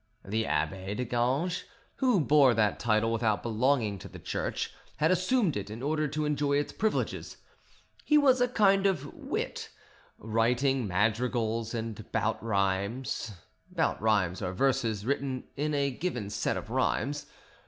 The abbe de Ganges, who bore that title without belonging to the Church, had assumed it in order to enjoy its privileges: he was a kind of wit, writing madrigals and 'bouts rimes' [Bouts rimes are verses written to a given set of rhymes.